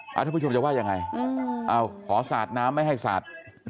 ท่านผู้ชมจะว่ายังไงขอสาดน้ำไม่ให้สาด